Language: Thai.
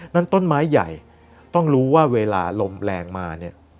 นั้นต้นไม้ใหญ่ต้องรู้ว่าเวลาลมแรงมาเนี่ย